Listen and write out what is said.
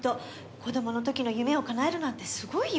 子供の時の夢をかなえるなんてすごいよ！